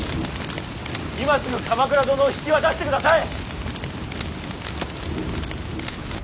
今すぐ鎌倉殿を引き渡してください！